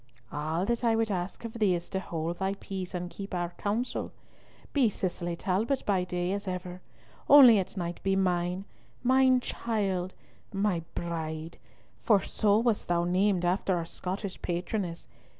"All that I would ask of thee is to hold thy peace and keep our counsel. Be Cicely Talbot by day as ever. Only at night be mine—my child, my Bride, for so wast thou named after our Scottish patroness.